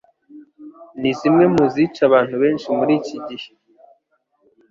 ni zimwe mu zica abantu benshi muri iki gihe